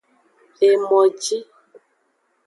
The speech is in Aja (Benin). Emoji.